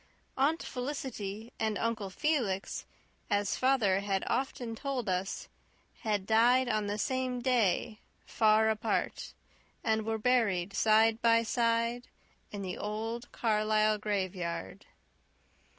Aunt Felicity and Uncle Felix, as father had often told us, had died on the same day, far apart, and were buried side by side in the old Carlisle graveyard.